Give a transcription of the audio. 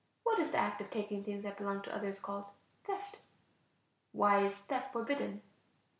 What is the act of taking things that belong to others called? Theft. Why is theft forbidden?